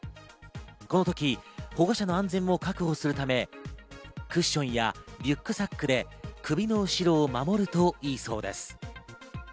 このとき、保護者の安全も確保するため、クッションやリュックサックで首の後ろを守るといいそうです。